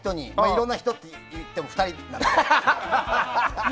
いろんな人っていっても２人なんだけど。